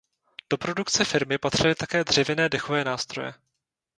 Do produkce firmy patřily také dřevěné dechové nástroje.